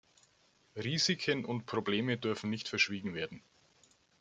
Risiken und Probleme dürfen nicht verschwiegen werden.